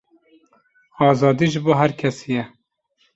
Azadî ji bo her kesî ye.